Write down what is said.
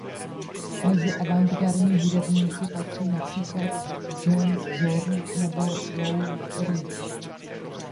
Mezi avantgardní hudebníky patří například John Zorn nebo Lou Reed.